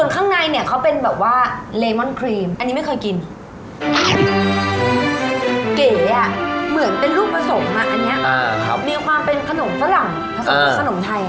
มีความเป็นขนมฝรั่งผสมเป็นขนมไทย